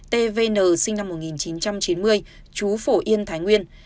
tvn sinh năm một nghìn chín trăm chín mươi chú phổ yên thái nguyên